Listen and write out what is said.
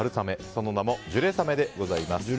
その名もジュレさめでございます。